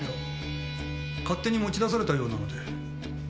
勝手に持ち出されたようなので。